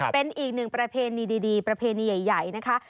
เป็นอีกหนึ่งประเพณีดีประเพณีใหญ่นะคะ